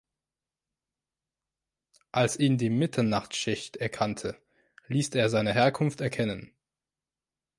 Als ihn die Mitternachtsschicht erkannte, ließ er seine Herkunft erkennen.